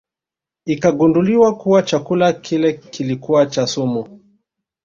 Ikagundulika kuwa chakula kile kilikuwa na sumu